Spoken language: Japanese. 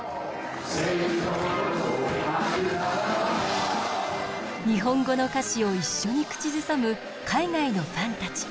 正義の心をパイルダーオン日本語の歌詞を一緒に口ずさむ海外のファンたち。